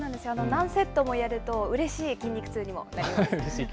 何セットもやると、うれしい筋肉痛にもなります。